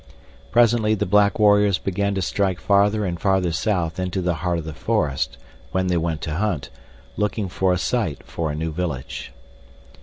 Presently the black warriors began to strike farther and farther south into the heart of the forest when they went to hunt, looking for a site for a new village.